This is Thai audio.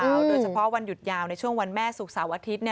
โดยเฉพาะวันหยุดยาวในช่วงวันแม่ศุกร์เสาร์อาทิตย์